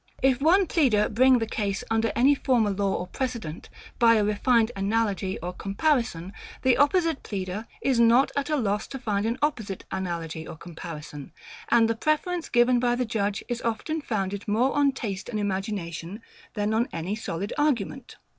If one pleader bring the case under any former law or precedent, by a refined analogy or comparison; the opposite pleader is not at a loss to find an opposite analogy or comparison: and the preference given by the judge is often founded more on taste and imagination than on any solid argument.